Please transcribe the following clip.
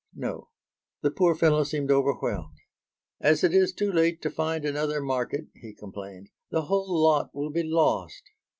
"No." The poor fellow seemed overwhelmed. "As it is too late to find another market," he complained, "the whole lot will be lost."